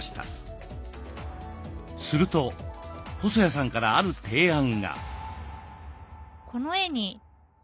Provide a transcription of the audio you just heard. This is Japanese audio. すると細谷さんからある提案が。